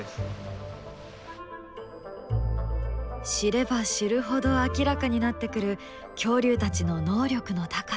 知れば知るほど明らかになってくる恐竜たちの能力の高さ。